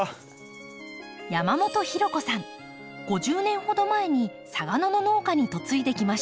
５０年ほど前に嵯峨野の農家に嫁いできました。